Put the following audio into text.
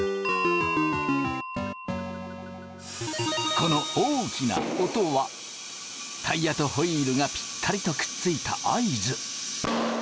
この大きな音はタイヤとホイールがぴったりとくっついた合図。